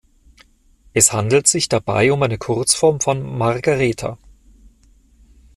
Es handelt sich dabei um eine Kurzform von Margaretha.